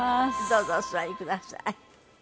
どうぞお座りください。